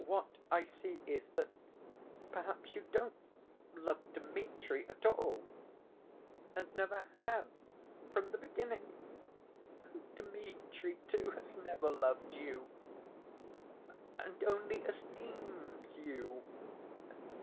"What I see is that perhaps you don't love Dmitri at all ... and never have, from the beginning.... And Dmitri, too, has never loved you ... and only esteems you....